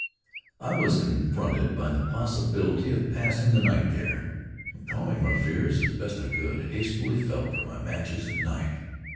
I was confronted by the possibility of passing the night there, and calming my fears as best I could, hastily felt for my matches and knife.